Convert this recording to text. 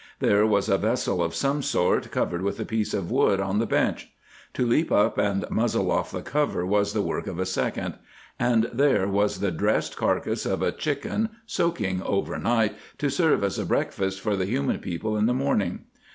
There was a vessel of some sort covered with a piece of wood on the bench. To leap up and muzzle off the cover was the work of a second. And there was the dressed carcass of a chicken soaking overnight to serve as a breakfast for the human people in the morning.